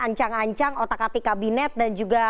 ancang ancang otak atik kabinet dan juga